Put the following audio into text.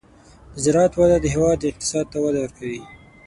د زراعت وده د هېواد اقتصاد ته وده ورکوي.